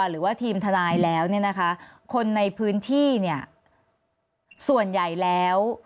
หรือว่าทีมทนายแล้วค่ะคนในพื้นที่ส่วนใหญ่แล้ว